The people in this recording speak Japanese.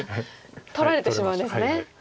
取られてしまうんですね。